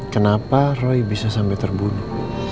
kenapa roy bisa sampai terbunuh